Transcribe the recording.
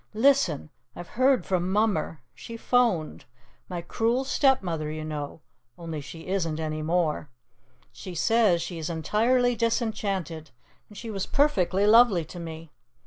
"Listen. I've heard from Mummer. She 'phoned. My Cruel Stepmother, you know, only she isn't any more. She says she is entirely disenchanted, and she was perfectly lovely to me.